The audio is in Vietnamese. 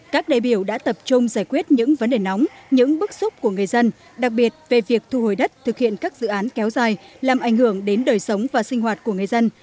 các đại biểu đã tập trung giải quyết những vấn đề nóng những bức xúc của người dân đặc biệt về việc thu hồi đất thực hiện các dự án kéo dài làm ảnh hưởng đến đời sống và sinh hoạt của người dân